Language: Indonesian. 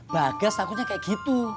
bagas takutnya kayak gitu